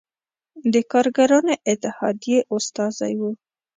د کارګرانو اتحادیې استازی و.